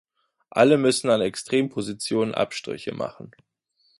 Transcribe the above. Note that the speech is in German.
Alle müssen an Extrempositionen Abstriche machen.